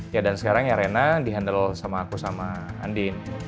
ya dan sekarang ya rena di handle sama aku sama andiin